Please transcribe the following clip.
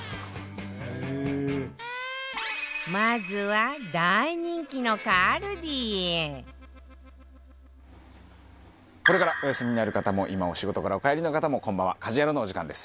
まずはこれからお休みになる方も今お仕事からお帰りの方もこんばんは『家事ヤロウ！！！』のお時間です。